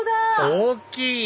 大きい！